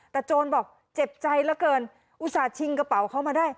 แต่โจรบอกเจ็บใจเหลือเกินอุตส่าหิงกระเป๋าเขามาได้